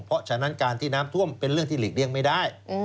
เพราะฉะนั้นการที่น้ำท่วมเป็นเรื่องที่หลีกเลี่ยงไม่ได้